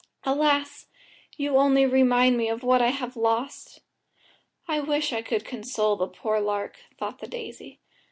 Alas! you only remind me of what I have lost." "I wish I could console the poor lark," thought the daisy.